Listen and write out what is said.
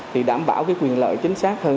thì đảm bảo quyền lợi chính xác hơn